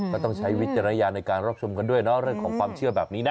ต้องใช้วิจารณญาณในการรับชมกันด้วยเนาะเรื่องของความเชื่อแบบนี้นะ